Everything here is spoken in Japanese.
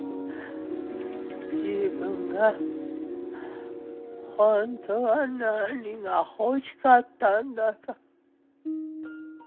自分が本当は何が欲しかったんだか。